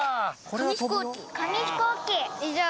これ？